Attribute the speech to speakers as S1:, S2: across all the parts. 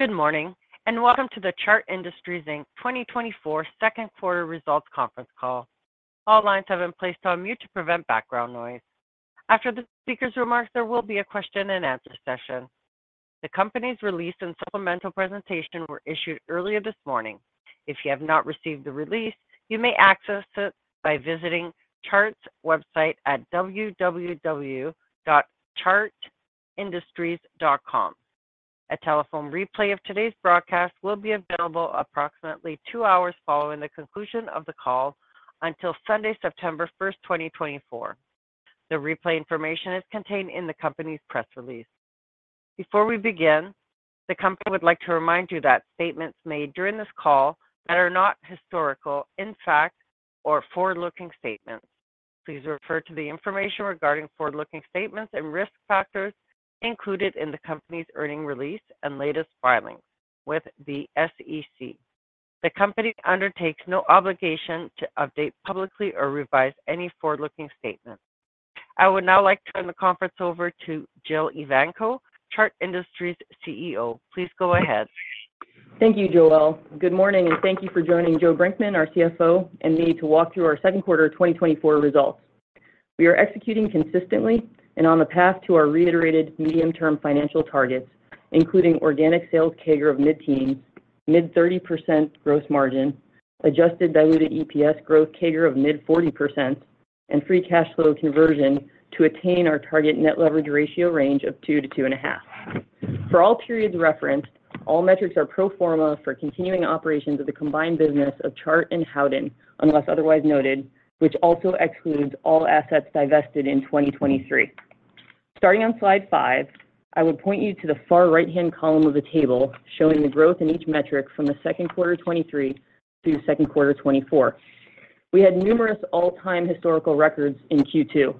S1: Good morning and welcome to the Chart Industries Inc. 2024 Q2 Results Conference Call. All lines have been placed on mute to prevent background noise. After the speaker's remarks, there will be a question and answer session. The company's release and supplemental presentation were issued earlier this morning. If you have not received the release, you may access it by visiting Chart's website at www.chartindustries.com. A telephone replay of today's broadcast will be available approximately two hours following the conclusion of the call until Sunday, September 1st, 2024. The replay information is contained in the company's press release. Before we begin, the company would like to remind you that statements made during this call are not historical facts or forward-looking statements. Please refer to the information regarding forward-looking statements and risk factors included in the company's earnings release and latest filings with the SEC. The company undertakes no obligation to update publicly or revise any forward-looking statements. I would now like to turn the conference over to Jill Evanko, Chart Industries CEO. Please go ahead.
S2: Thank you, Joelle. Good morning and thank you for joining Joe Brinkman, our CFO, and me to walk through our Q2 2024 results. We are executing consistently and on the path to our reiterated medium-term financial targets, including organic sales CAGR of mid-teens, mid-30% gross margin, adjusted diluted EPS growth CAGR of mid-40%, and free cash flow conversion to attain our target net leverage ratio range of 2-2.5. For all periods referenced, all metrics are pro forma for continuing operations of the combined business of Chart and Howden, unless otherwise noted, which also excludes all assets divested in 2023. Starting on slide 5, I would point you to the far right-hand column of the table showing the growth in each metric from the Q2 2023 to Q2 2024. We had numerous all-time historical records in Q2.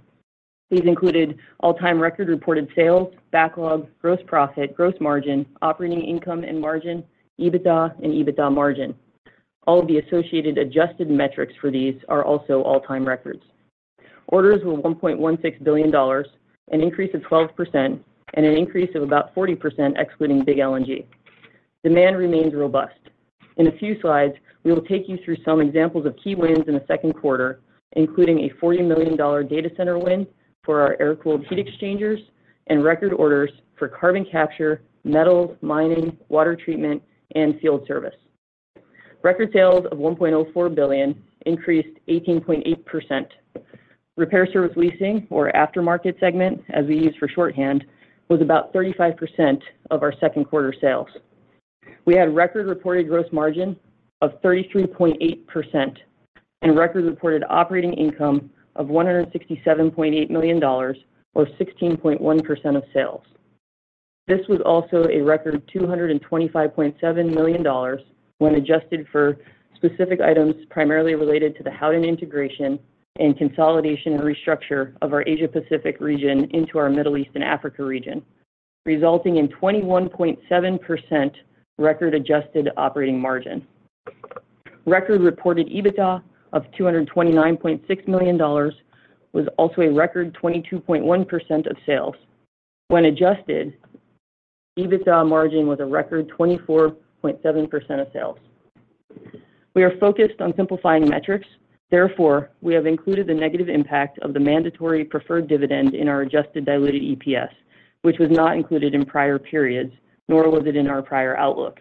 S2: These included all-time record reported sales, backlog, gross profit, gross margin, operating income and margin, EBITDA, and EBITDA margin. All of the associated adjusted metrics for these are also all-time records. Orders were $1.16 billion, an increase of 12%, and an increase of about 40% excluding Big LNG. Demand remains robust. In a few slides, we will take you through some examples of key wins in the Q2, including a $40 million data center win for our air-cooled heat exchangers and record orders for carbon capture, metals, mining, water treatment, and field service. Record sales of $1.04 billion increased 18.8%. Repair, Service & Leasing, or aftermarket segment, as we use for shorthand, was about 35% of our Q2 sales. We had record reported gross margin of 33.8% and record reported operating income of $167.8 million, or 16.1% of sales. This was also a record $225.7 million when adjusted for specific items primarily related to the Howden integration and consolidation and restructure of our Asia-Pacific region into our Middle East and Africa region, resulting in 21.7% record adjusted operating margin. Record reported EBITDA of $229.6 million was also a record 22.1% of sales. When adjusted, EBITDA margin was a record 24.7% of sales. We are focused on simplifying metrics. Therefore, we have included the negative impact of the mandatory preferred dividend in our adjusted diluted EPS, which was not included in prior periods, nor was it in our prior outlook.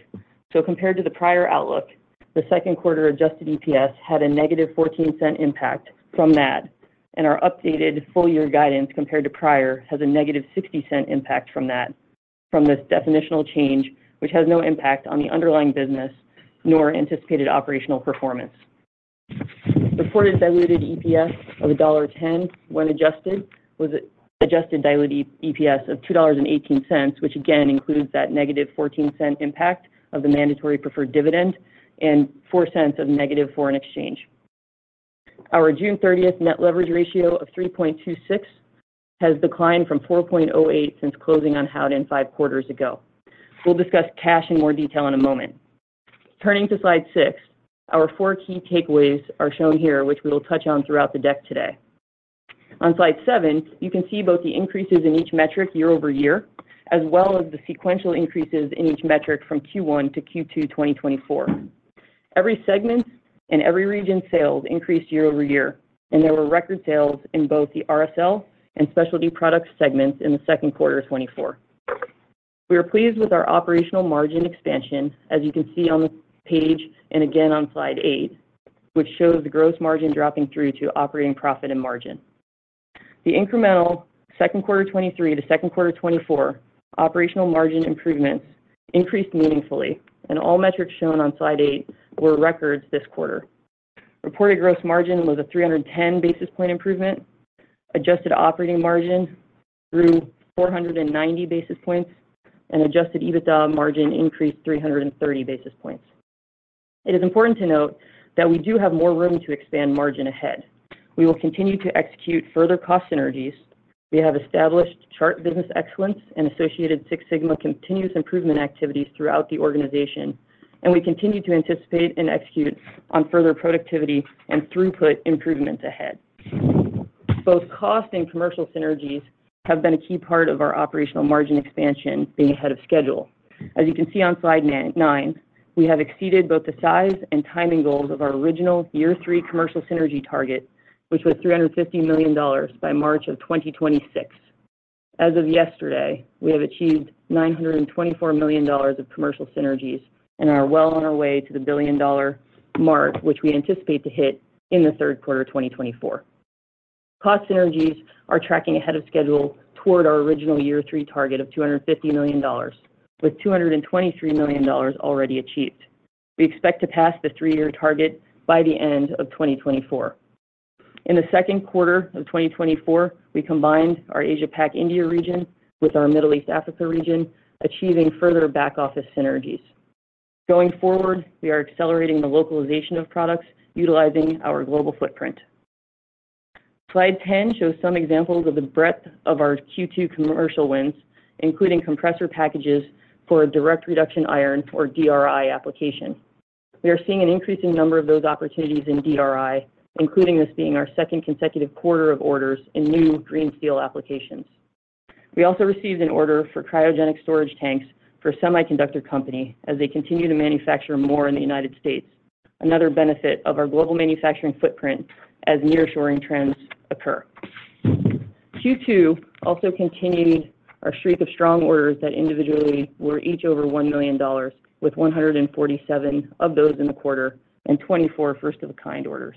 S2: So compared to the prior outlook, the Q2 adjusted EPS had a negative $0.14 impact from that, and our updated full-year guidance compared to prior has a negative $0.60 impact from this definitional change, which has no impact on the underlying business nor anticipated operational performance. Reported diluted EPS of $1.10. When adjusted, it was adjusted diluted EPS of $2.18, which again includes that negative $0.14 impact of the mandatory preferred dividend and $0.04 of negative foreign exchange. Our June 30th net leverage ratio of 3.26 has declined from 4.08 since closing on Howden five quarters ago. We'll discuss cash in more detail in a moment. Turning to slide six, our four key takeaways are shown here, which we will touch on throughout the deck today. On slide seven, you can see both the increases in each metric year-over-year, as well as the sequential increases in each metric from Q1 to Q2 2024. Every segment and every region's sales increased year-over-year, and there were record sales in both the RSL and specialty products segments in the Q2 2024. We are pleased with our operational margin expansion, as you can see on the page and again on slide 8, which shows the gross margin dropping through to operating profit and margin. The incremental Q2 2023 to Q2 2024 operational margin improvements increased meaningfully, and all metrics shown on slide 8 were records this quarter. Reported gross margin was a 310 basis point improvement, adjusted operating margin grew 490 basis points, and adjusted EBITDA margin increased 330 basis points. It is important to note that we do have more room to expand margin ahead. We will continue to execute further cost synergies. We have established Chart Business Excellence and associated Six Sigma continuous improvement activities throughout the organization, and we continue to anticipate and execute on further productivity and throughput improvements ahead. Both cost and commercial synergies have been a key part of our operational margin expansion being ahead of schedule. As you can see on slide 9, we have exceeded both the size and timing goals of our original year 3 commercial synergy target, which was $350 million by March of 2026. As of yesterday, we have achieved $924 million of commercial synergies and are well on our way to the billion-dollar mark, which we anticipate to hit in the Q3 2024. Cost synergies are tracking ahead of schedule toward our original year 3 target of $250 million, with $223 million already achieved. We expect to pass the three-year target by the end of 2024. In the Q2 of 2024, we combined our Asia-Pac India region with our Middle East Africa region, achieving further back office synergies. Going forward, we are accelerating the localization of products utilizing our global footprint. Slide 10 shows some examples of the breadth of our Q2 commercial wins, including compressor packages for direct reduction iron or DRI application. We are seeing an increasing number of those opportunities in DRI, including this being our second consecutive quarter of orders in new green steel applications. We also received an order for cryogenic storage tanks for a semiconductor company as they continue to manufacture more in the United States, another benefit of our global manufacturing footprint as nearshoring trends occur. Q2 also continued our streak of strong orders that individually were each over $1 million, with 147 of those in the quarter and 24 first-of-a-kind orders.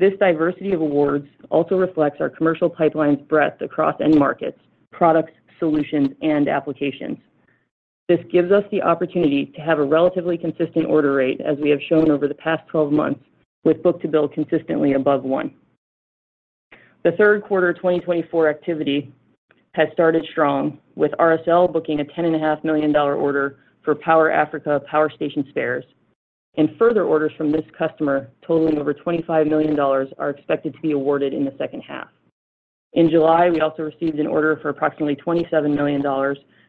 S2: This diversity of awards also reflects our commercial pipeline's breadth across end markets, products, solutions, and applications. This gives us the opportunity to have a relatively consistent order rate, as we have shown over the past 12 months, with book-to-bill consistently above one. The Q3 2024 activity has started strong, with RSL booking a $10.5 million order for Power Africa power station spares, and further orders from this customer totaling over $25 million are expected to be awarded in the second half. In July, we also received an order for approximately $27 million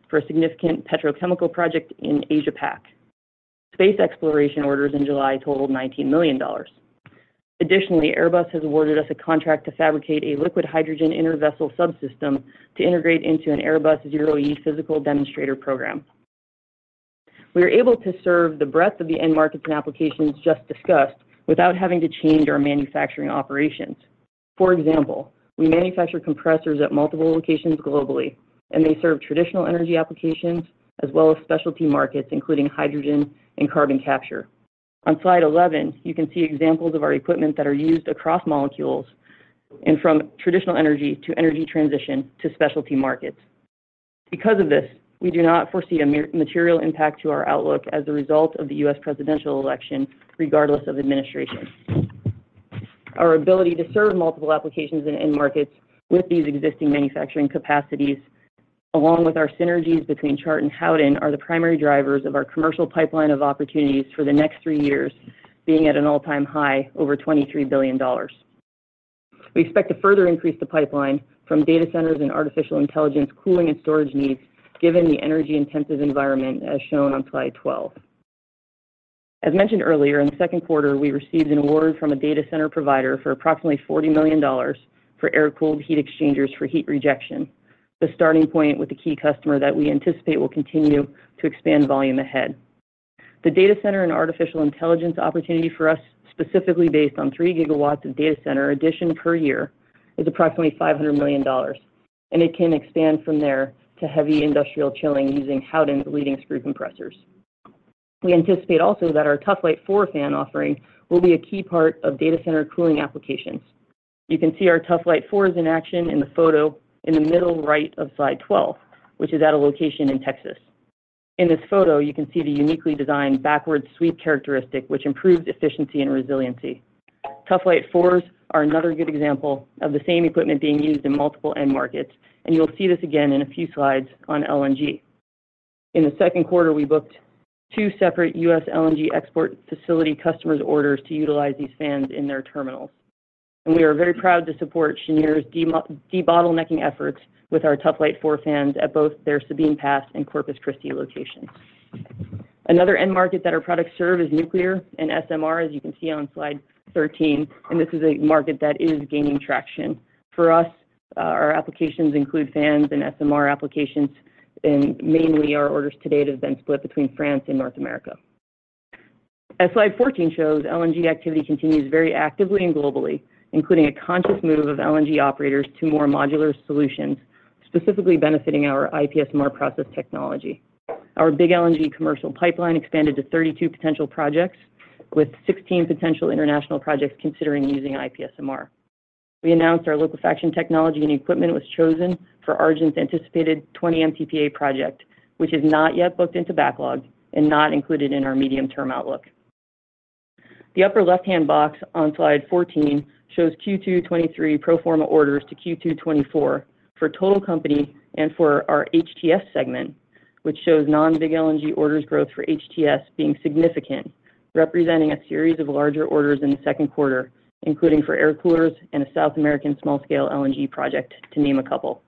S2: for a significant petrochemical project in Asia-Pac. Space exploration orders in July totaled $19 million. Additionally, Airbus has awarded us a contract to fabricate a liquid hydrogen inner vessel subsystem to integrate into an Airbus ZEROe physical demonstrator program. We are able to serve the breadth of the end markets and applications just discussed without having to change our manufacturing operations. For example, we manufacture compressors at multiple locations globally, and they serve traditional energy applications as well as specialty markets, including hydrogen and carbon capture. On slide 11, you can see examples of our equipment that are used across molecules and from traditional energy to energy transition to specialty markets. Because of this, we do not foresee a material impact to our outlook as a result of the U.S. presidential election, regardless of administration. Our ability to serve multiple applications and end markets with these existing manufacturing capacities, along with our synergies between Chart and Howden, are the primary drivers of our commercial pipeline of opportunities for the next three years, being at an all-time high over $23 billion. We expect to further increase the pipeline from data centers and artificial intelligence cooling and storage needs, given the energy-intensive environment as shown on slide 12. As mentioned earlier, in the Q2, we received an award from a data center provider for approximately $40 million for air-cooled heat exchangers for heat rejection, the starting point with a key customer that we anticipate will continue to expand volume ahead. The data center and artificial intelligence opportunity for us, specifically based on 3 gigawatts of data center addition per year, is approximately $500 million, and it can expand from there to heavy industrial chilling using Howden's leading screw compressors. We anticipate also that our Tuf-Lite IV fan offering will be a key part of data center cooling applications. You can see our Tuf-Lite IV is in action in the photo in the middle right of slide 12, which is at a location in Texas. In this photo, you can see the uniquely designed backward sweep characteristic, which improves efficiency and resiliency. Tuf-Lite IVs are another good example of the same equipment being used in multiple end markets, and you'll see this again in a few slides on LNG. In the Q2, we booked two separate U.S. LNG export facility customers' orders to utilize these fans in their terminals, and we are very proud to support Cheniere's debottlenecking efforts with our Tuf-Lite IV fans at both their Sabine Pass and Corpus Christi locations. Another end market that our products serve is nuclear and SMR, as you can see on slide 13, and this is a market that is gaining traction. For us, our applications include fans and SMR applications, and mainly our orders today have been split between France and North America. As slide 14 shows, LNG activity continues very actively and globally, including a conscious move of LNG operators to more modular solutions, specifically benefiting our IPSMR process technology. Our big LNG commercial pipeline expanded to 32 potential projects, with 16 potential international projects considering using IPSMR. We announced our liquefaction technology and equipment was chosen for Argent's anticipated 20 MTPA project, which is not yet booked into backlog and not included in our medium-term outlook. The upper left-hand box on slide 14 shows Q2 2023 pro forma orders to Q2 2024 for total company and for our HTS segment, which shows non-big LNG orders growth for HTS being significant, representing a series of larger orders in the Q2, including for air coolers and a South American small-scale LNG project, to name a couple.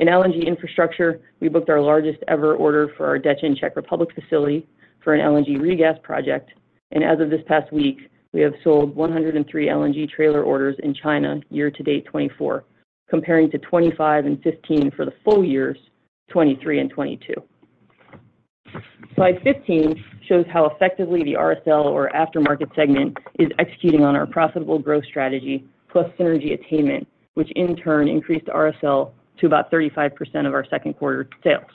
S2: In LNG infrastructure, we booked our largest ever order for our Dutch and Czech Republic facility for an LNG regas project, and as of this past week, we have sold 103 LNG trailer orders in China year to date 2024, comparing to 25 and 15 for the full years 2023 and 2022. Slide 15 shows how effectively the RSL, or aftermarket segment, is executing on our profitable growth strategy, plus synergy attainment, which in turn increased RSL to about 35% of our Q2 sales.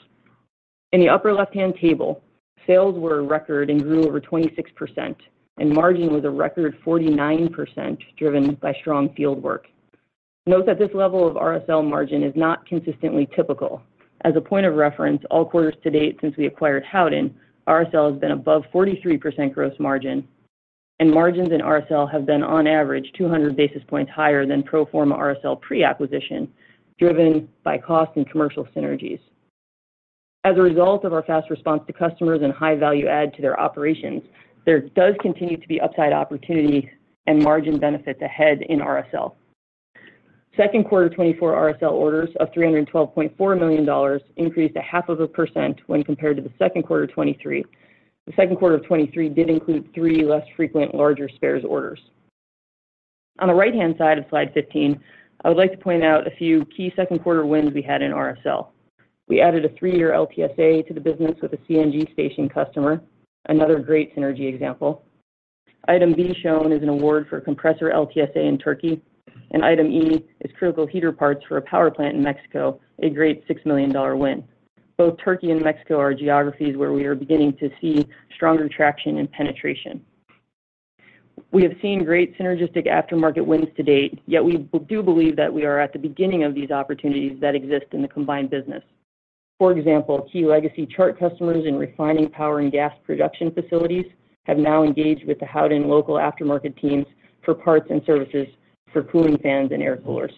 S2: In the upper left-hand table, sales were record and grew over 26%, and margin was a record 49% driven by strong field work. Note that this level of RSL margin is not consistently typical. As a point of reference, all quarters to date since we acquired Howden, RSL has been above 43% gross margin, and margins in RSL have been, on average, 200 basis points higher than pro forma RSL pre-acquisition, driven by cost and commercial synergies. As a result of our fast response to customers and high value add to their operations, there does continue to be upside opportunity and margin benefits ahead in RSL. Q2 2024 RSL orders of $312.4 million increased 0.5% when compared to the Q2 2023. The Q2 of 2023 did include three less frequent larger spares orders. On the right-hand side of slide 15, I would like to point out a few key Q2 wins we had in RSL. We added a 3-year LTSA to the business with a CNG station customer, another great synergy example. Item B shown is an award for a compressor LTSA in Turkey, and item E is critical heater parts for a power plant in Mexico, a great $6 million win. Both Turkey and Mexico are geographies where we are beginning to see stronger traction and penetration. We have seen great synergistic aftermarket wins to date, yet we do believe that we are at the beginning of these opportunities that exist in the combined business. For example, key legacy Chart customers in refining power and gas production facilities have now engaged with the Howden local aftermarket teams for parts and services for cooling fans and air coolers.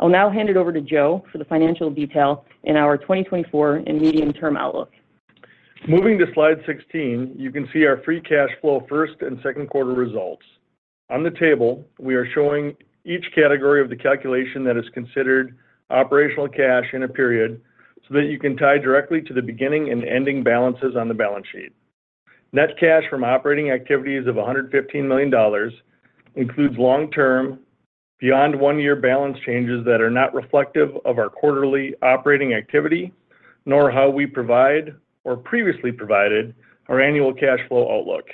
S2: I'll now hand it over to Joe for the financial detail in our 2024 and medium-term outlook.
S3: Moving to slide 16, you can see our free cash flow first and Q2 results. On the table, we are showing each category of the calculation that is considered operational cash in a period so that you can tie directly to the beginning and ending balances on the balance sheet. Net cash from operating activities of $115 million includes long-term, beyond one-year balance changes that are not reflective of our quarterly operating activity, nor how we provide or previously provided our annual cash flow outlook.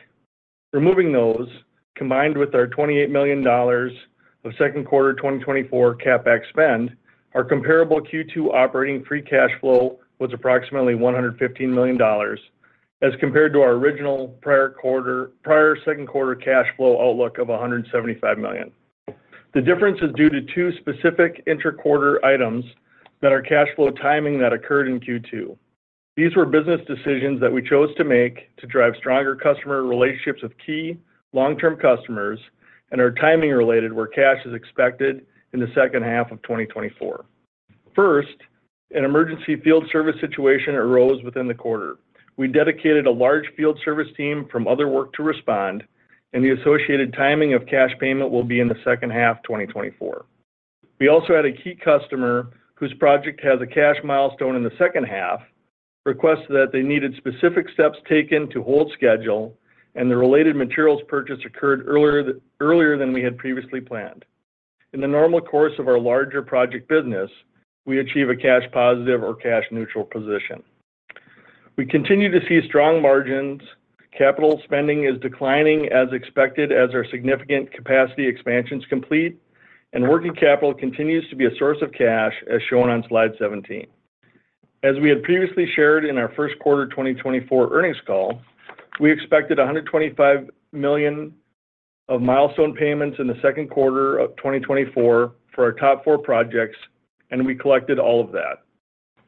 S3: Removing those, combined with our $28 million of Q2 2024 CapEx spend, our comparable Q2 operating free cash flow was approximately $115 million, as compared to our original prior Q2 cash flow outlook of $175 million. The difference is due to two specific interquarter items that are cash flow timing that occurred in Q2. These were business decisions that we chose to make to drive stronger customer relationships with key long-term customers and are timing-related where cash is expected in the second half of 2024. First, an emergency field service situation arose within the quarter. We dedicated a large field service team from Other Work to respond, and the associated timing of cash payment will be in the second half 2024. We also had a key customer whose project has a cash milestone in the second half request that they needed specific steps taken to hold schedule, and the related materials purchase occurred earlier than we had previously planned. In the normal course of our larger project business, we achieve a cash positive or cash neutral position. We continue to see strong margins. Capital spending is declining as expected as our significant capacity expansions complete, and working capital continues to be a source of cash, as shown on slide 17. As we had previously shared in our Q1 2024 earnings call, we expected $125 million of milestone payments in the Q2 of 2024 for our top four projects, and we collected all of that.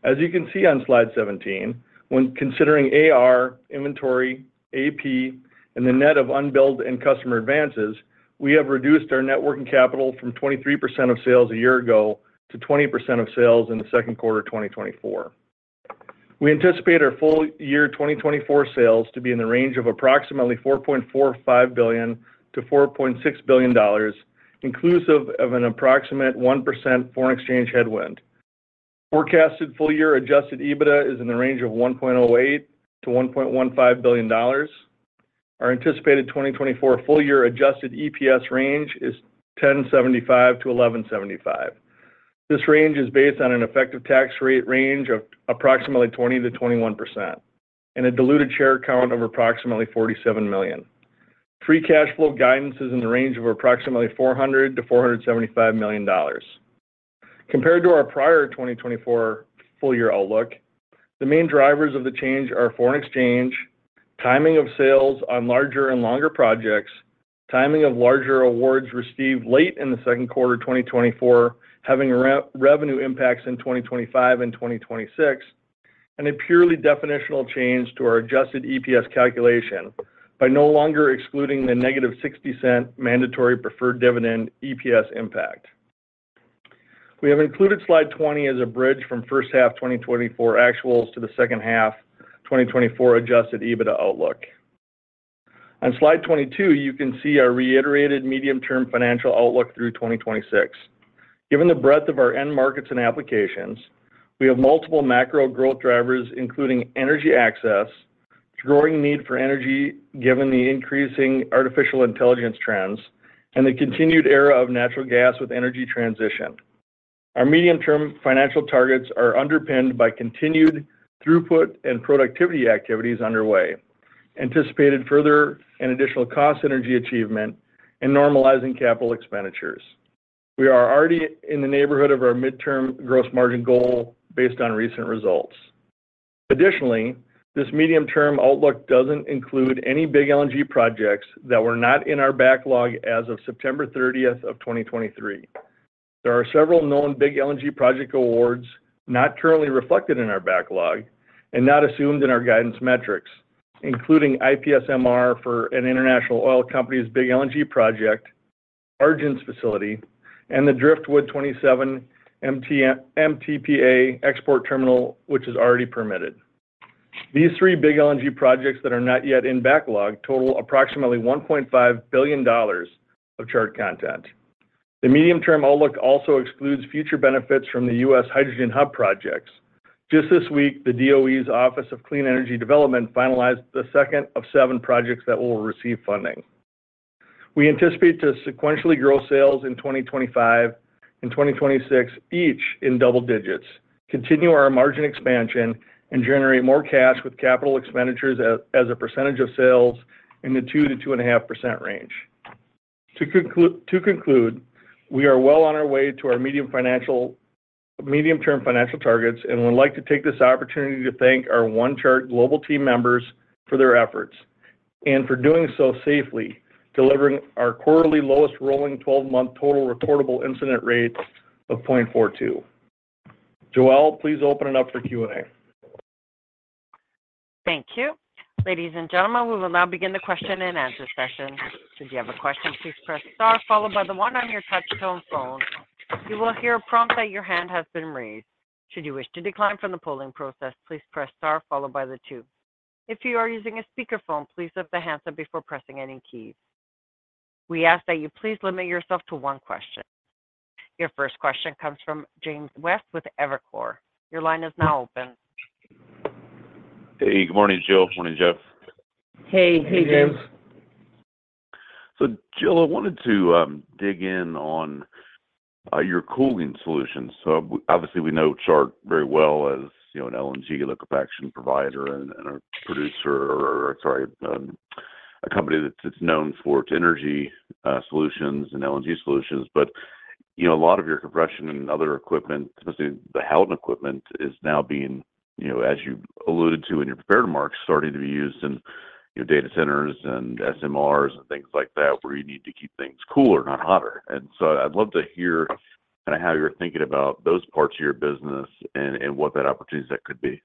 S3: As you can see on slide 17, when considering AR, inventory, AP, and the net of unbilled and customer advances, we have reduced our net working capital from 23% of sales a year ago to 20% of sales in the Q2 2024. We anticipate our full year 2024 sales to be in the range of approximately $4.45 billion-$4.6 billion, inclusive of an approximate 1% foreign exchange headwind. Forecasted full-year adjusted EBITDA is in the range of $1.08 billion-$1.15 billion. Our anticipated 2024 full-year adjusted EPS range is $10.75-$11.75. This range is based on an effective tax rate range of approximately 20%-21% and a diluted share count of approximately 47 million. Free cash flow guidance is in the range of approximately $400 million-$475 million. Compared to our prior 2024 full-year outlook, the main drivers of the change are foreign exchange, timing of sales on larger and longer projects, timing of larger awards received late in the Q2 2024, having revenue impacts in 2025 and 2026, and a purely definitional change to our adjusted EPS calculation by no longer excluding the negative $0.60 mandatory preferred dividend EPS impact. We have included slide 20 as a bridge from first half 2024 actuals to the second half 2024 adjusted EBITDA outlook. On slide 22, you can see our reiterated medium-term financial outlook through 2026. Given the breadth of our end markets and applications, we have multiple macro growth drivers, including energy access, growing need for energy given the increasing artificial intelligence trends, and the continued era of natural gas with energy transition. Our medium-term financial targets are underpinned by continued throughput and productivity activities underway, anticipated further and additional cost energy achievement, and normalizing capital expenditures. We are already in the neighborhood of our midterm gross margin goal based on recent results. Additionally, this medium-term outlook doesn't include any big LNG projects that were not in our backlog as of September 30th of 2023. There are several known big LNG project awards not currently reflected in our backlog and not assumed in our guidance metrics, including IPSMR for an international oil company's big LNG project, Argent's facility, and the Driftwood 27 MTPA export terminal, which is already permitted. These three big LNG projects that are not yet in backlog total approximately $1.5 billion of Chart content. The medium-term outlook also excludes future benefits from the U.S. hydrogen hub projects. Just this week, the DOE's Office of Clean Energy Demonstrations finalized the second of seven projects that will receive funding. We anticipate to sequentially grow sales in 2025 and 2026, each in double digits, continue our margin expansion, and generate more cash with capital expenditures as a percentage of sales in the 2%-2.5% range. To conclude, we are well on our way to our medium-term financial targets, and we'd like to take this opportunity to thank our OneChart global team members for their efforts and for doing so safely, delivering our quarterly lowest rolling 12-month total recordable incident rate of 0.42. Joelle, please open it up for Q&A. Thank you.
S1: Ladies and gentlemen, we will now begin the question and answer session. Should you have a question, please press star, followed by the one on your touch-tone phone. You will hear a prompt that your hand has been raised. Should you wish to decline from the polling process, please press star, followed by the two. If you are using a speakerphone, please lift the handset up before pressing any keys. We ask that you please limit yourself to one question. Your first question comes from James West with Evercore ISI. Your line is now open.
S4: Hey, good morning, Joe.
S2: Good morning, James.
S4: Hey, hey, James. So, Jill, I wanted to dig in on your cooling solutions. So, obviously, we know Chart very well as an LNG liquefaction provider and a producer, or sorry, a company that's known for its energy solutions and LNG solutions. But a lot of your compression and other equipment, especially the Howden equipment, is now being, as you alluded to in your prepared remarks, starting to be used in data centers and SMRs and things like that, where you need to keep things cooler, not hotter. And so I'd love to hear kind of how you're thinking about those parts of your business and what that opportunity that could be.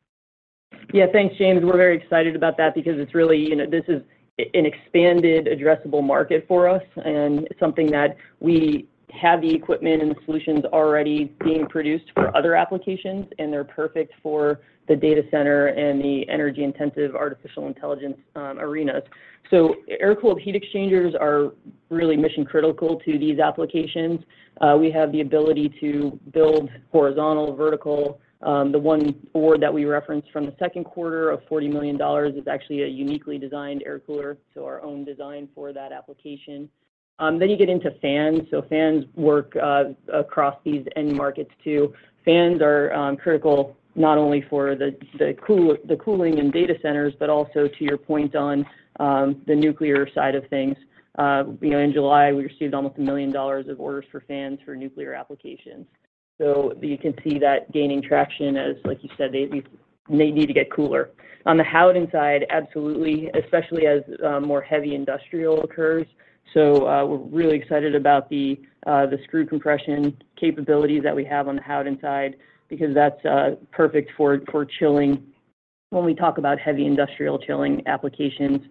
S2: Yeah, thanks, James. We're very excited about that because it's really this is an expanded addressable market for us, and it's something that we have the equipment and solutions already being produced for other applications, and they're perfect for the data center and the energy-intensive artificial intelligence arenas. So, air cooled heat exchangers are really mission-critical to these applications. We have the ability to build horizontal, vertical. The one award that we referenced from the Q2 of $40 million is actually a uniquely designed air cooler, so our own design for that application. Then you get into fans. So, fans work across these end markets too. Fans are critical not only for the cooling in data centers, but also, to your point, on the nuclear side of things. In July, we received almost $1 million of orders for fans for nuclear applications. So, you can see that gaining traction as, like you said, they need to get cooler. On the Howden side, absolutely, especially as more heavy industrial occurs. So, we're really excited about the screw compression capabilities that we have on the Howden side because that's perfect for chilling when we talk about heavy industrial chilling applications,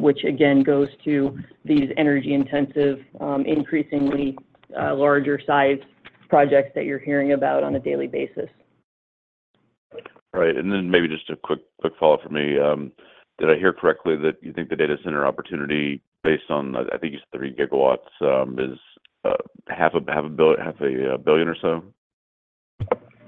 S2: which, again, goes to these energy-intensive, increasingly larger-sized projects that you're hearing about on a daily basis.
S4: Right. And then maybe just a quick follow-up for me. Did I hear correctly that you think the data center opportunity based on, I think you said 3 gigawatts, is $500 million or so?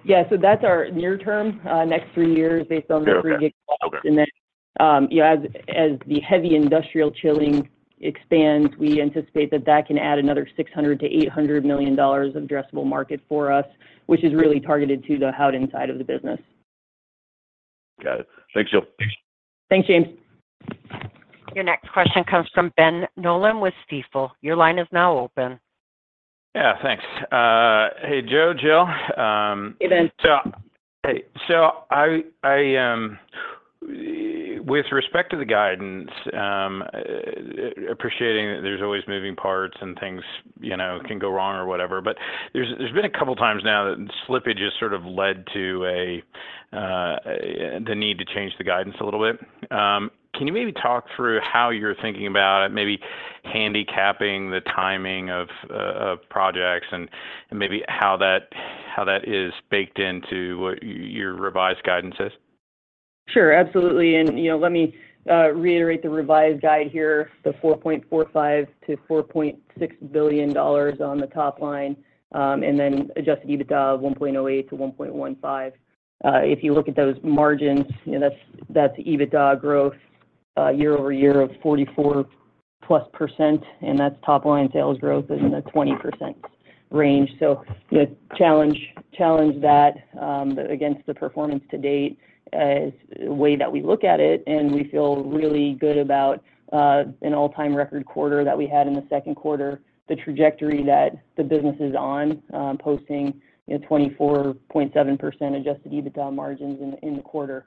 S2: Yeah. So, that's our near-term, next 3 years based on the 3 gigawatts. And then, as the heavy industrial chilling expands, we anticipate that that can add another $600 million-$800 million of addressable market for us, which is really targeted to the Howden side of the business.
S4: Got it. Thanks, Jill.
S2: Thanks, James.
S1: Your next question comes from Ben Nolan with Stifel. Your line is now open.
S5: Yeah, thanks. Hey, Joe, Jill.
S2: Hey, Ben.
S5: So, with respect to the guidance, appreciating that there's always moving parts and things can go wrong or whatever. But there's been a couple of times now that slippage has sort of led to the need to change the guidance a little bit. Can you maybe talk through how you're thinking about maybe handicapping the timing of projects and maybe how that is baked into what your revised guidance is?
S2: Sure, absolutely. Let me reiterate the revised guide here, the $4.45-$4.6 billion on the top line, and then adjusted EBITDA of $1.08-1.15. If you look at those margins, that's EBITDA growth year-over-year of 44%+, and that's top line sales growth in the 20% range. So, challenge that against the performance to date is the way that we look at it, and we feel really good about an all-time record quarter that we had in the Q2, the trajectory that the business is on, posting 24.7% adjusted EBITDA margins in the quarter.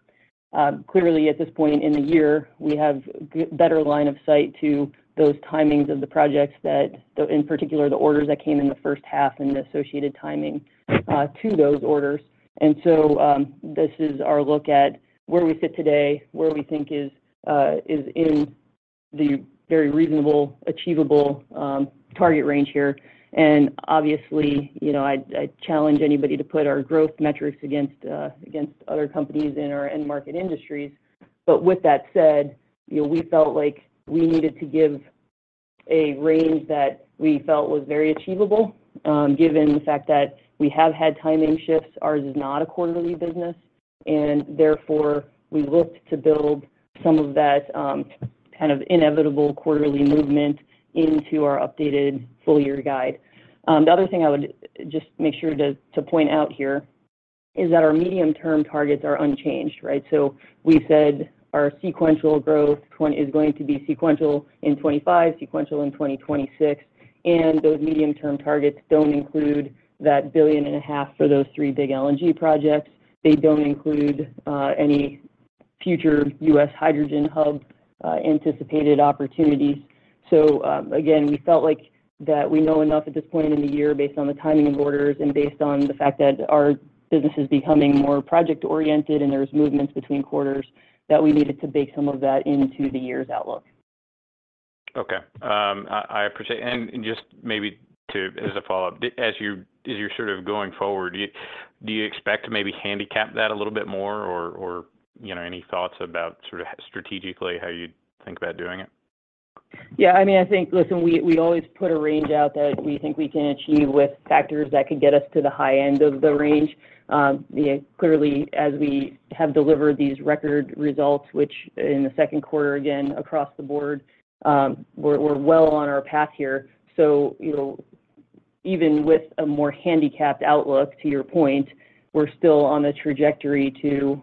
S2: Clearly, at this point in the year, we have a better line of sight to those timings of the projects that, in particular, the orders that came in the first half and the associated timing to those orders. And so this is our look at where we sit today, where we think is in the very reasonable, achievable target range here. And obviously, I challenge anybody to put our growth metrics against other companies in our end market industries. But with that said, we felt like we needed to give a range that we felt was very achievable, given the fact that we have had timing shifts. Ours is not a quarterly business, and therefore, we looked to build some of that kind of inevitable quarterly movement into our updated full-year guide. The other thing I would just make sure to point out here is that our medium-term targets are unchanged, right? So we said our sequential growth is going to be sequential in 2025, sequential in 2026. And those medium-term targets don't include that $1.5 billion for those three big LNG projects. They don't include any future U.S. hydrogen hub anticipated opportunities. So, again, we felt like that we know enough at this point in the year based on the timing of orders and based on the fact that our business is becoming more project-oriented and there's movements between quarters that we needed to bake some of that into the year's outlook.
S5: Okay. I appreciate. And just maybe as a follow-up, as you're sort of going forward, do you expect to maybe handicap that a little bit more or any thoughts about sort of strategically how you think about doing it?
S2: Yeah. I mean, I think, listen, we always put a range out that we think we can achieve with factors that could get us to the high end of the range. Clearly, as we have delivered these record results, which in the Q2, again, across the board, we're well on our path here. So, even with a more handicapped outlook, to your point, we're still on the trajectory to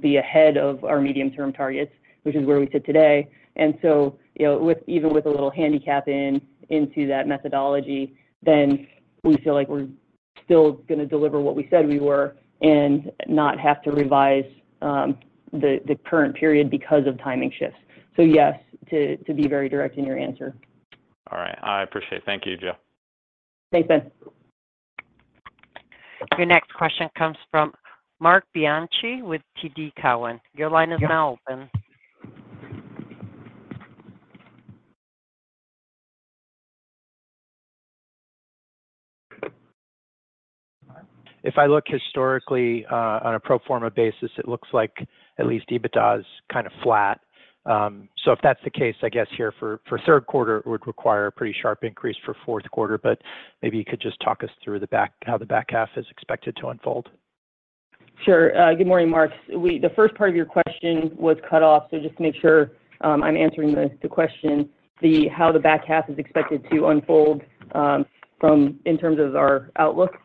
S2: be ahead of our medium-term targets, which is where we sit today. And so, even with a little handicap into that methodology, then we feel like we're still going to deliver what we said we were and not have to revise the current period because of timing shifts. So, yes, to be very direct in your answer.
S5: All right. I appreciate it. Thank you, Jill.
S2: Thanks, Ben.
S1: Your next question comes from Marc Bianchi with TD Cowen. Your line is now open.
S6: If I look historically on a pro forma basis, it looks like at least EBITDA is kind of flat. So, if that's the case, I guess here for Q3, it would require a pretty sharp increase for Q4. But maybe you could just talk us through how the back half is expected to unfold?
S2: Sure. Good morning, Marc. The first part of your question was cut off, so just to make sure I'm answering the question, how the back half is expected to unfold in terms of our outlook?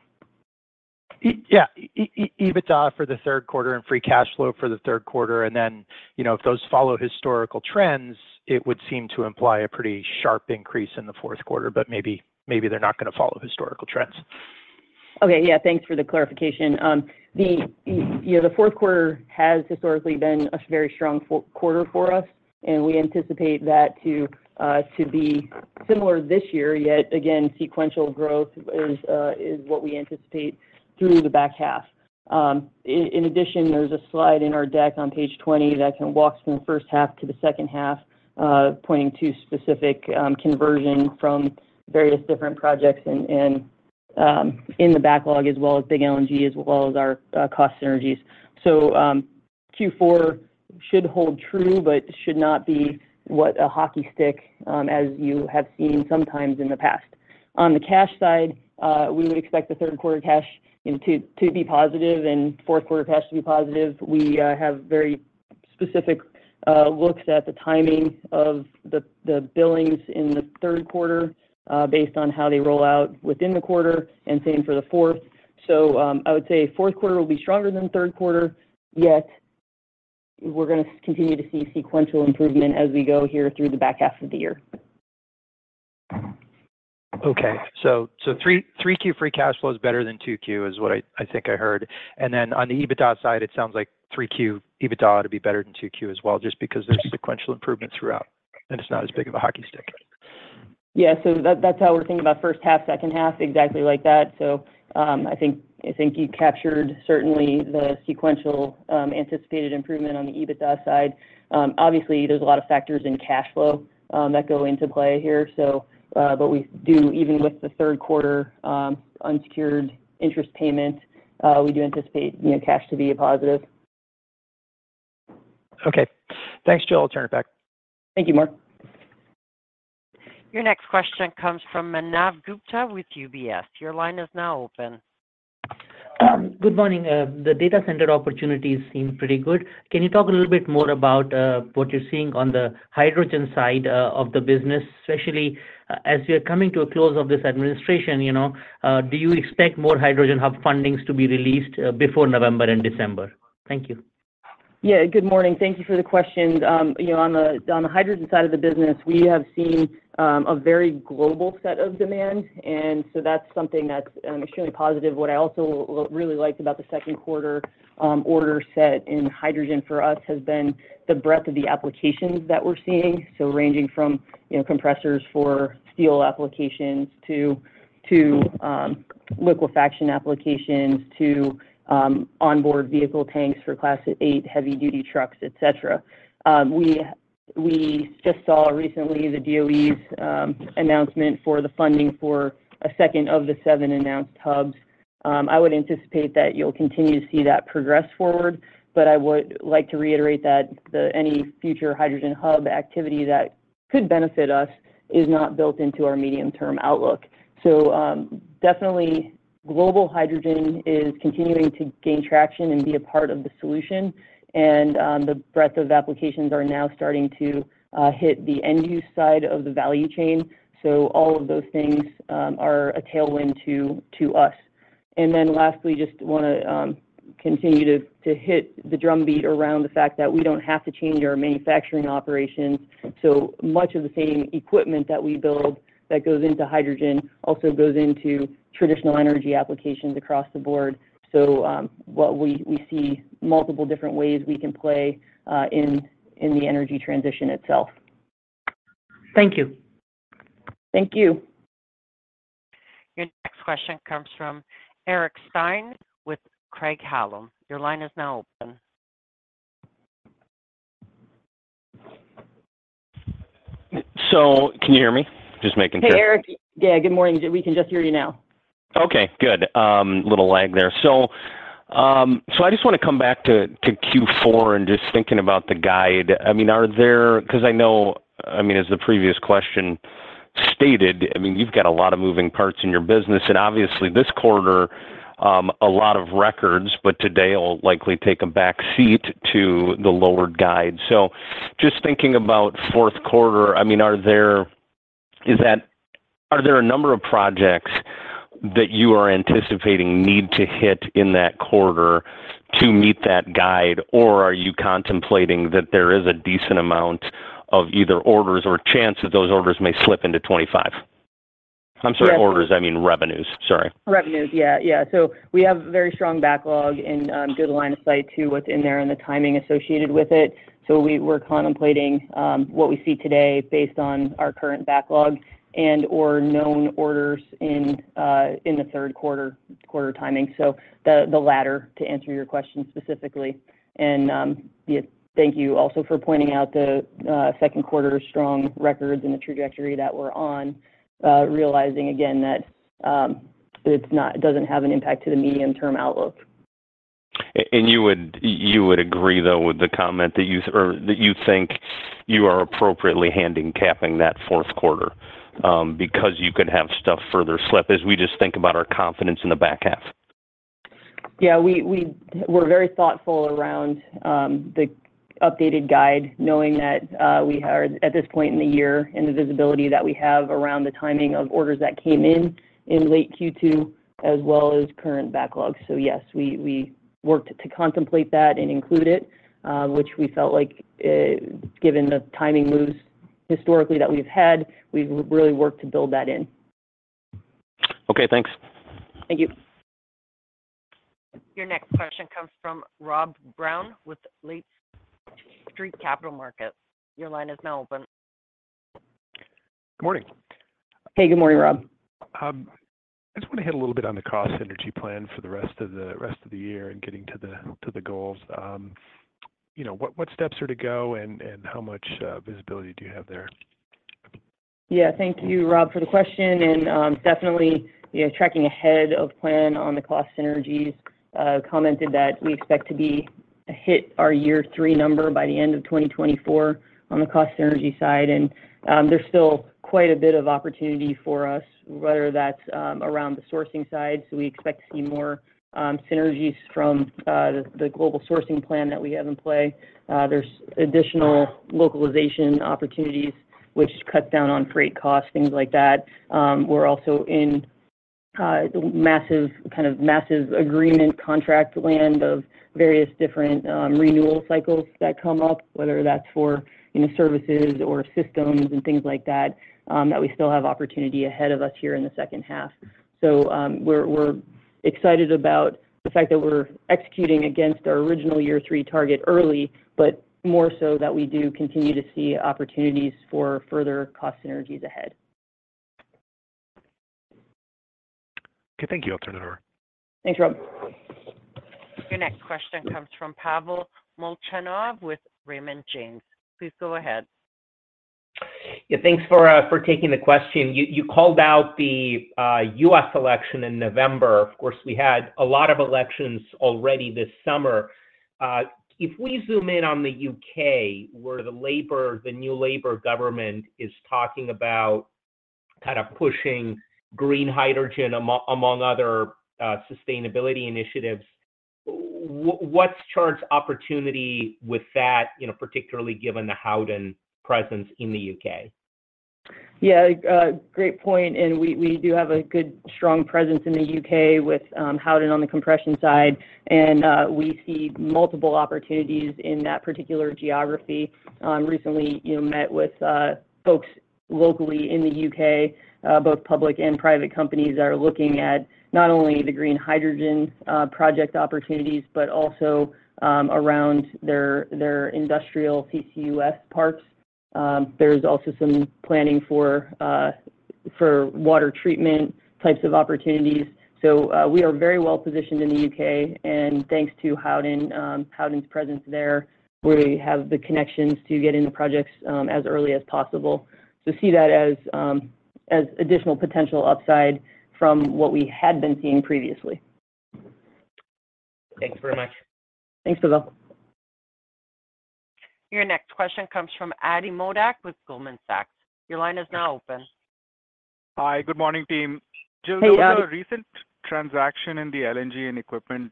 S6: Yeah. EBITDA for the Q3 and free cash flow for the Q3. And then, if those follow historical trends, it would seem to imply a pretty sharp increase in the Q4, but maybe they're not going to follow historical trends.
S2: Okay. Yeah. Thanks for the clarification. The Q4 has historically been a very strong quarter for us, and we anticipate that to be similar this year. Yet, again, sequential growth is what we anticipate through the back half. In addition, there's a slide in our deck on page 20 that kind of walks from the first half to the second half, pointing to specific conversion from various different projects in the backlog, as well as Big LNG, as well as our cost synergies. So, Q4 should hold true, but should not be a hockey stick, as you have seen sometimes in the past. On the cash side, we would expect the Q3 cash to be positive and Q4 cash to be positive. We have very specific looks at the timing of the billings in the Q3 based on how they roll out within the quarter, and same for the fourth. So, I would say Q4 will be stronger than Q3, yet we're going to continue to see sequential improvement as we go here through the back half of the year.
S6: Okay. So, 3Q free cash flow is better than 2Q, is what I think I heard. And then, on the EBITDA side, it sounds like 3Q EBITDA ought to be better than 2Q as well, just because there's sequential improvement throughout, and it's not as big of a hockey stick.
S2: Yeah. So, that's how we're thinking about first half, second half, exactly like that. So, I think you captured certainly the sequential anticipated improvement on the EBITDA side. Obviously, there's a lot of factors in cash flow that go into play here. But we do, even with the Q3 unsecured interest payment, we do anticipate cash to be a positive.
S6: Okay. Thanks, Jill. I'll turn it back.
S2: Thank you, Marc.
S1: Your next question comes from Manav Gupta with UBS. Your line is now open.
S7: Good morning. The data center opportunities seem pretty good. Can you talk a little bit more about what you're seeing on the hydrogen side of the business, especially as we are coming to a close of this administration? Do you expect more hydrogen hub fundings to be released before November and December? Thank you.
S2: Yeah. Good morning. Thank you for the question. On the hydrogen side of the business, we have seen a very global set of demand, and so that's something that's extremely positive. What I also really liked about the Q2 order set in hydrogen for us has been the breadth of the applications that we're seeing. So, ranging from compressors for steel applications to liquefaction applications to onboard vehicle tanks for Class 8 heavy-duty trucks, etc. We just saw recently the DOE's announcement for the funding for a second of the 7 announced hubs. I would anticipate that you'll continue to see that progress forward, but I would like to reiterate that any future hydrogen hub activity that could benefit us is not built into our medium-term outlook. So, definitely, global hydrogen is continuing to gain traction and be a part of the solution, and the breadth of applications are now starting to hit the end-use side of the value chain. So, all of those things are a tailwind to us. And then, lastly, just want to continue to hit the drumbeat around the fact that we don't have to change our manufacturing operations. So, much of the same equipment that we build that goes into hydrogen also goes into traditional energy applications across the board. So, we see multiple different ways we can play in the energy transition itself.
S7: Thank you.
S2: Thank you.
S1: Your next question comes from Eric Stine with Craig-Hallum. Your line is now open.
S8: So, can you hear me? Just making sure.
S1: Hey, Eric. Yeah. Good morning. We can just hear you now.
S8: Okay. Good. Little lag there. So, I just want to come back to Q4 and just thinking about the guide. I mean, are there because I know, I mean, as the previous question stated, I mean, you've got a lot of moving parts in your business. And obviously, this quarter, a lot of records, but today will likely take a back seat to the lowered guide. So, just thinking about Q4, I mean, are there a number of projects that you are anticipating need to hit in that quarter to meet that guide, or are you contemplating that there is a decent amount of either orders or chance that those orders may slip into 2025? I'm sorry, orders. I mean, revenues. Sorry.
S2: Revenues. Yeah. Yeah. We have a very strong backlog and good line of sight to what's in there and the timing associated with it. We're contemplating what we see today based on our current backlog and/or known orders in the Q3 timing. The latter to answer your question specifically. Thank you also for pointing out the Q2 strong records and the trajectory that we're on, realizing again that it doesn't have an impact to the medium-term outlook.
S8: You would agree, though, with the comment that you think you are appropriately handicapping that Q4 because you could have stuff further slip as we just think about our confidence in the back half.
S2: Yeah. We're very thoughtful around the updated guide, knowing that we are at this point in the year and the visibility that we have around the timing of orders that came in in late Q2, as well as current backlog. So, yes, we worked to contemplate that and include it, which we felt like, given the timing moves historically that we've had, we've really worked to build that in.
S8: Okay. Thanks.
S2: Thank you.
S1: Your next question comes from Rob Brown with Lake Street Capital Markets. Your line is now open.
S9: Good morning.
S2: Hey, good morning, Rob.
S9: I just want to hit a little bit on the cost synergy plan for the rest of the year and getting to the goals. What steps are to go and how much visibility do you have there?
S2: Yeah. Thank you, Rob, for the question. And definitely tracking ahead of plan on the cost synergies. Commented that we expect to hit our year three number by the end of 2024 on the cost synergy side. There's still quite a bit of opportunity for us, whether that's around the sourcing side. So, we expect to see more synergies from the global sourcing plan that we have in play. There's additional localization opportunities, which cuts down on freight costs, things like that. We're also in kind of massive agreement contract land of various different renewal cycles that come up, whether that's for services or systems and things like that, that we still have opportunity ahead of us here in the second half. So, we're excited about the fact that we're executing against our original year three target early, but more so that we do continue to see opportunities for further cost synergies ahead.
S9: Okay. Thank you. I'll turn it over.
S2: Thanks, Rob.
S1: Your next question comes from Pavel Molchanov with Raymond James. Please go ahead.
S10: Yeah. Thanks for taking the question. You called out the U.S. election in November. Of course, we had a lot of elections already this summer. If we zoom in on the U.K., where the new Labour government is talking about kind of pushing green hydrogen among other sustainability initiatives, what's Chart's opportunity with that, particularly given the Howden presence in the U.K.?
S2: Yeah. Great point. And we do have a good strong presence in the U.K. with Howden on the compression side. And we see multiple opportunities in that particular geography. Recently, met with folks locally in the U.K., both public and private companies that are looking at not only the green hydrogen project opportunities, but also around their industrial CCUS parks. There's also some planning for water treatment types of opportunities. We are very well positioned in the U.K. Thanks to Howden's presence there, we have the connections to get into projects as early as possible. See that as additional potential upside from what we had been seeing previously.
S10: Thanks very much.
S2: Thanks, Pavel.
S1: Your next question comes from Ati Modak with Goldman Sachs. Your line is now open.
S11: Hi. Good morning, team. Hey, Jill. Just a recent transaction in the LNG and equipment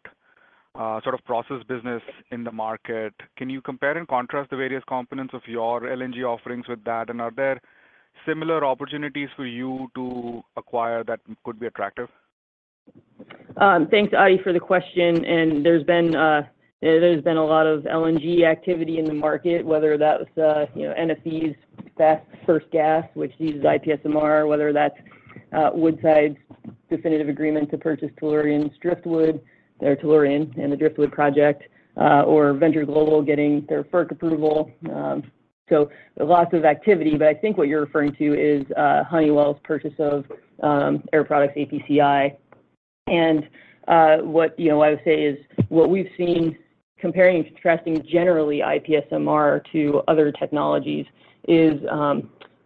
S11: sort of process business in the market. Can you compare and contrast the various components of your LNG offerings with that? And are there similar opportunities for you to acquire that could be attractive?
S2: Thanks, Ati, for the question. There's been a lot of LNG activity in the market, whether that's NFE's Fast LNG, first gas, which uses IPSMR, whether that's Woodside's definitive agreement to purchase Tellurian's Driftwood, their Tellurian and the Driftwood project, or Venture Global getting their FERC approval. So, lots of activity. But I think what you're referring to is Honeywell's purchase of Air Products APCI. And what I would say is what we've seen, comparing and contrasting generally IPSMR to other technologies, is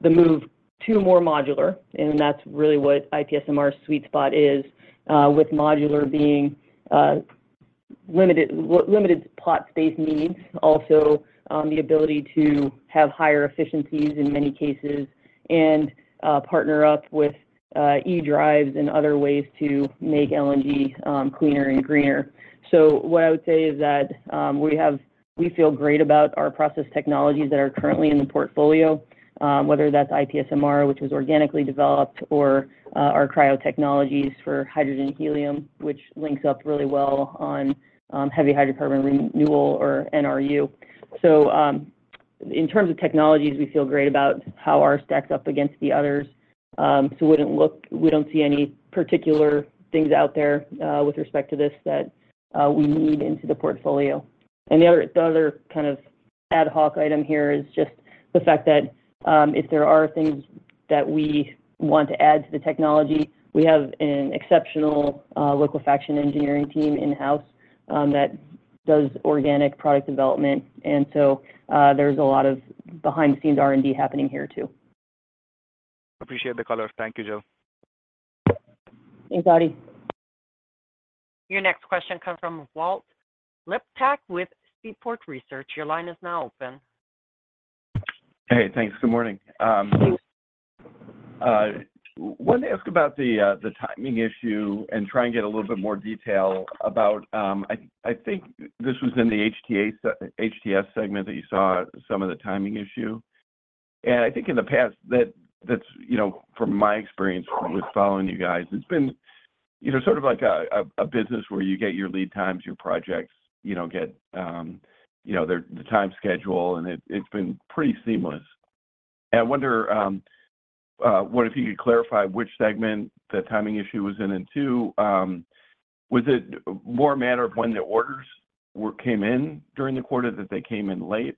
S2: the move to more modular. And that's really what IPSMR's sweet spot is, with modular being limited plot space needs, also the ability to have higher efficiencies in many cases, and partner up with eDrives and other ways to make LNG cleaner and greener. So, what I would say is that we feel great about our process technologies that are currently in the portfolio, whether that's IPSMR, which was organically developed, or our cryotechnologies for hydrogen helium, which links up really well on heavy hydrocarbon renewal or NRU. So, in terms of technologies, we feel great about how our stacks up against the others. So, we don't see any particular things out there with respect to this that we need into the portfolio. And the other kind of ad hoc item here is just the fact that if there are things that we want to add to the technology, we have an exceptional liquefaction engineering team in-house that does organic product development. And so, there's a lot of behind-the-scenes R&D happening here too.
S11: Appreciate the color. Thank you, Jill.
S2: Thanks, Ati.
S1: Your next question comes from Walt Liptak with Seaport Research. Your line is now open.
S12: Hey, thanks. Good morning. Thanks. I wanted to ask about the timing issue and try and get a little bit more detail about I think this was in the HTS segment that you saw some of the timing issue. And I think in the past, from my experience with following you guys, it's been sort of like a business where you get your lead times, your projects, get the time schedule, and it's been pretty seamless. And I wonder what if you could clarify which segment the timing issue was in. And two, was it more a matter of when the orders came in during the quarter that they came in late,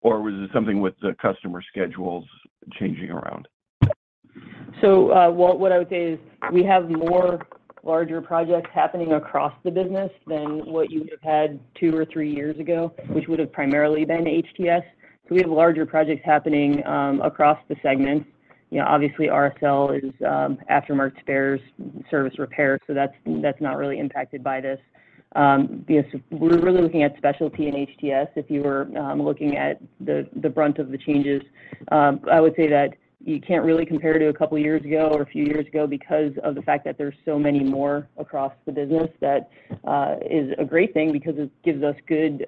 S12: or was it something with the customer schedules changing around?
S2: So, what I would say is we have more larger projects happening across the business than what you would have had 2 or 3 years ago, which would have primarily been HTS. So, we have larger projects happening across the segments. Obviously, RSL is aftermarket spares service repair, so that's not really impacted by this. We're really looking at specialty in HTS if you were looking at the brunt of the changes. I would say that you can't really compare to a couple of years ago or a few years ago because of the fact that there's so many more across the business. That is a great thing because it gives us good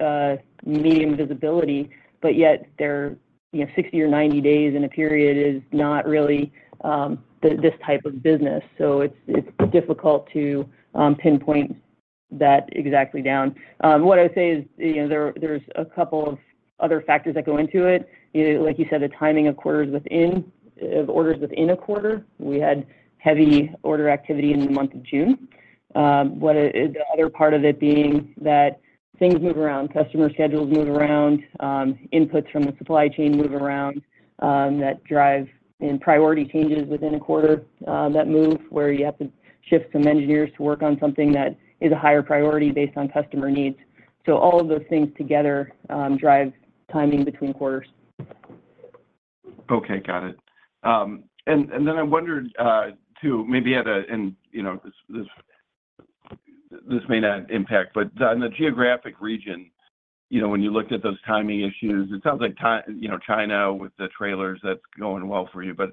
S2: medium visibility, but yet 60 or 90 days in a period is not really this type of business. So, it's difficult to pinpoint that exactly down. What I would say is there's a couple of other factors that go into it. Like you said, the timing of orders within a quarter. We had heavy order activity in the month of June. The other part of it being that things move around. Customer schedules move around. Inputs from the supply chain move around. That drive and priority changes within a quarter that move where you have to shift some engineers to work on something that is a higher priority based on customer needs. So, all of those things together drive timing between quarters.
S12: Okay. Got it. And then I wondered too, maybe at a—and this may not impact—but on the geographic region, when you looked at those timing issues, it sounds like China with the trailers that's going well for you. I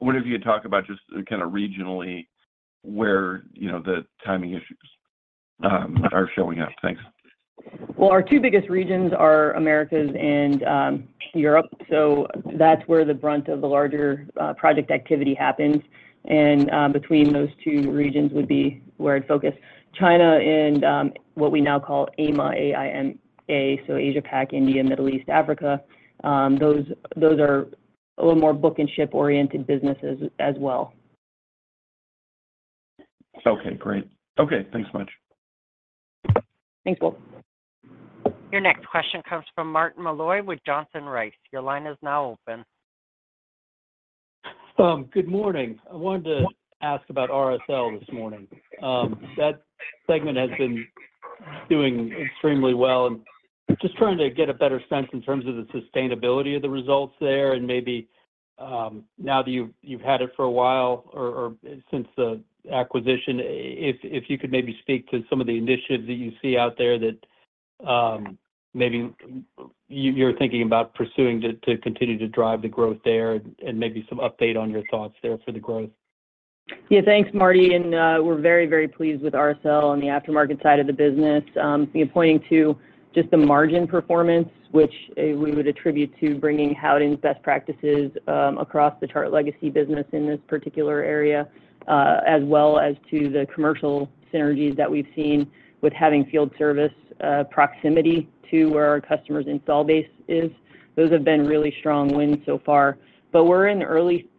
S12: wonder if you could talk about just kind of regionally where the timing issues are showing up. Thanks.
S2: Well, our two biggest regions are America and Europe. So, that's where the brunt of the larger project activity happens. Between those two regions would be where I'd focus. China and what we now call AIMA, A-I-M-A, so Asia-Pac, India, Middle East, Africa, those are a little more book and ship-oriented businesses as well.
S12: Okay. Great. Okay. Thanks so much.
S2: Thanks, Bob.
S1: Your next question comes from Martin Malloy with Johnson Rice. Your line is now open.
S13: Good morning. I wanted to ask about RSL this morning. That segment has been doing extremely well. Just trying to get a better sense in terms of the sustainability of the results there. And maybe now that you've had it for a while or since the acquisition, if you could maybe speak to some of the initiatives that you see out there that maybe you're thinking about pursuing to continue to drive the growth there and maybe some update on your thoughts there for the growth.
S2: Yeah. Thanks, Martin. And we're very, very pleased with RSL on the aftermarket side of the business. Pointing to just the margin performance, which we would attribute to bringing Howden's best practices across the Chart legacy business in this particular area, as well as to the commercial synergies that we've seen with having field service proximity to where our customers' installed base is. Those have been really strong wins so far. But we're in the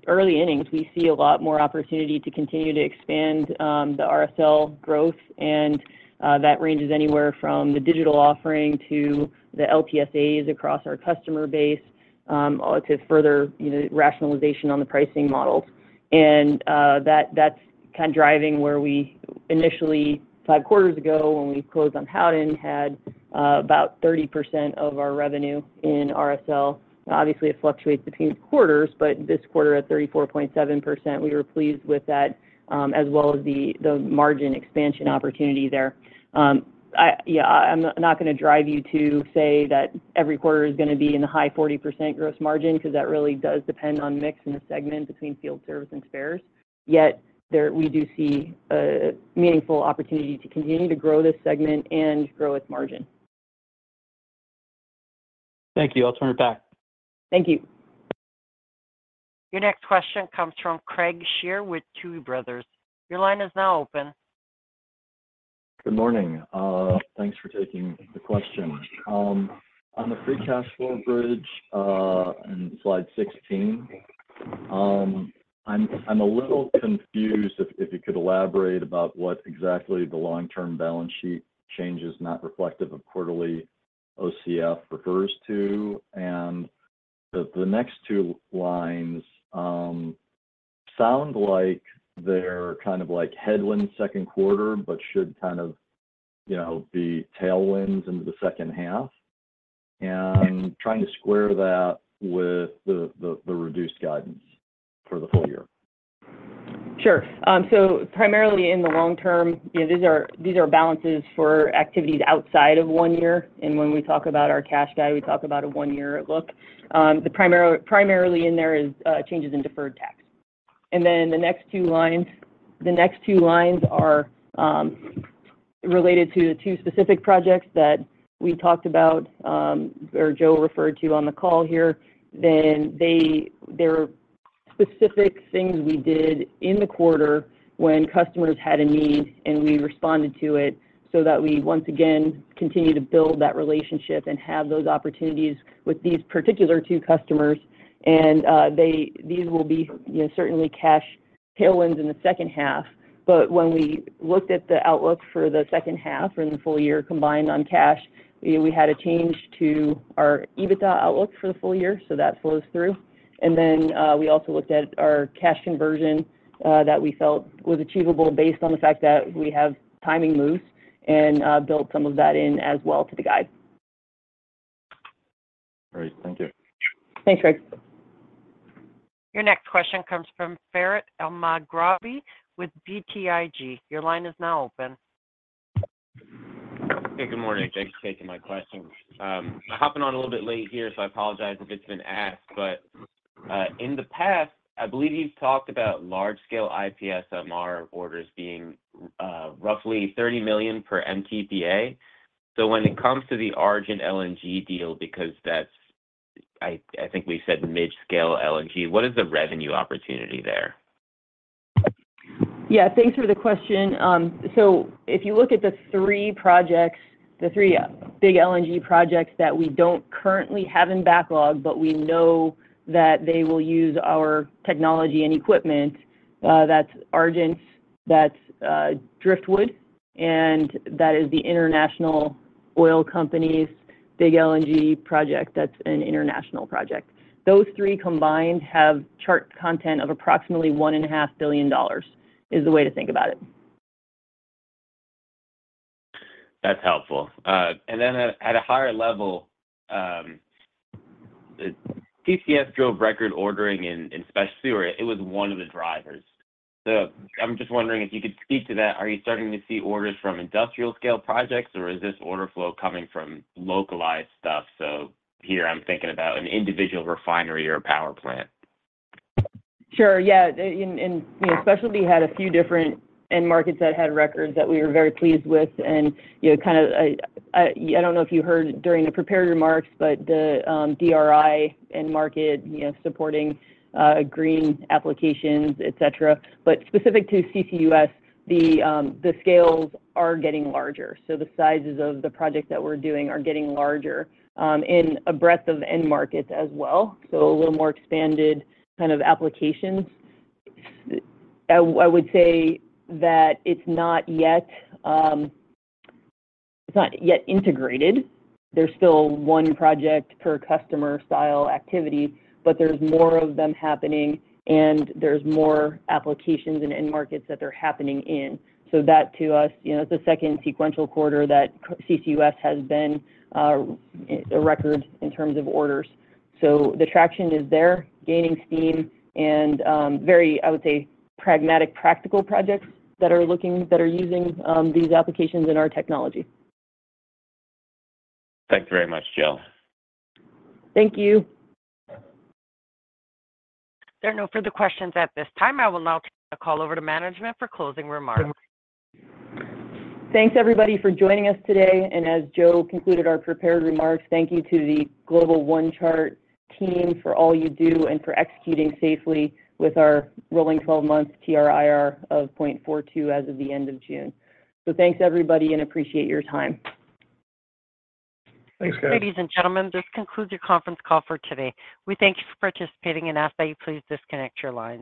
S2: early innings. We see a lot more opportunity to continue to expand the RSL growth. And that ranges anywhere from the digital offering to the LTSAs across our customer base to further rationalization on the pricing models. And that's kind of driving where we initially, five quarters ago, when we closed on Howden, had about 30% of our revenue in RSL. Obviously, it fluctuates between quarters, but this quarter at 34.7%, we were pleased with that as well as the margin expansion opportunity there. Yeah. I'm not going to drive you to say that every quarter is going to be in the high 40% gross margin because that really does depend on mix in the segment between field service and spares. Yet we do see a meaningful opportunity to continue to grow this segment and grow its margin.
S13: Thank you. I'll turn it back.
S2: Thank you.
S1: Your next question comes from Craig Shere with Tuohy Brothers. Your line is now open.
S14: Good morning. Thanks for taking the question. On the free cash flow bridge and slide 16, I'm a little confused if you could elaborate about what exactly the long-term balance sheet changes not reflective of quarterly OCF refers to. And the next two lines sound like they're kind of like headwinds Q2, but should kind of be tailwinds into the second half. And trying to square that with the reduced guidance for the full year.
S2: Sure. So, primarily in the long term, these are balances for activities outside of one year. And when we talk about our cash guide, we talk about a one-year look. Primarily in there is changes in deferred tax. And then the next two lines, the next two lines are related to the two specific projects that we talked about or Jill referred to on the call here. Then there are specific things we did in the quarter when customers had a need, and we responded to it so that we once again continue to build that relationship and have those opportunities with these particular two customers. And these will be certainly cash tailwinds in the second half. But when we looked at the outlook for the second half and the full year combined on cash, we had a change to our EBITDA outlook for the full year. So that flows through. And then we also looked at our cash conversion that we felt was achievable based on the fact that we have timing moves and built some of that in as well to the guide.
S14: Great. Thank you.
S2: Thanks, Greg.
S1: Your next question comes from Sherif Elmaghrabi with BTIG. Your line is now open.
S15: Hey, good morning. Thanks for taking my question. I'm hopping on a little bit late here, so I apologize if it's been asked. But in the past, I believe you've talked about large-scale IPSMR orders being roughly $30 million per MTPA. So when it comes to the Argent LNG deal, because that's, I think we said, mid-scale LNG, what is the revenue opportunity there?
S2: Yeah. Thanks for the question. So, if you look at the three projects, the three big LNG projects that we don't currently have in backlog, but we know that they will use our technology and equipment, that's Argent, that's Driftwood, and that is the international oil company's big LNG project that's an international project. Those three combined have Chart content of approximately $1.5 billion is the way to think about it.
S15: That's helpful. And then at a higher level, CCUS drove record ordering in specialty, or it was one of the drivers. So, I'm just wondering if you could speak to that. Are you starting to see orders from industrial-scale projects, or is this order flow coming from localized stuff? So, here, I'm thinking about an individual refinery or a power plant.
S2: Sure. Yeah. And specialty had a few different end markets that had records that we were very pleased with. And, kind of, I don't know if you heard during the prepared remarks, but the DRI end market supporting green applications, etc. But specific to CCUS, the scales are getting larger. So, the sizes of the project that we're doing are getting larger in a breadth of end markets as well. So, a little more expanded kind of applications. I would say that it's not yet integrated. There's still one project per customer style activity, but there's more of them happening, and there's more applications and end markets that they're happening in. So, that to us, it's the second sequential quarter that CCUS has been a record in terms of orders. So, the traction is there, gaining steam, and very, I would say, pragmatic, practical projects that are using these applications and our technology.
S15: Thank you very much, Jill.
S2: Thank you.
S1: There are no further questions at this time. I will now turn the call over to management for closing remarks.
S2: Thanks, everybody, for joining us today. And as Jill concluded our prepared remarks, thank you to the Global One Chart team for all you do and for executing safely with our rolling 12-month TRIR of 0.42 as of the end of June. So, thanks, everybody, and appreciate your time.
S3: Thanks, guys.
S1: Ladies and gentlemen, this concludes your conference call for today. We thank you for participating and ask that you please disconnect your lines.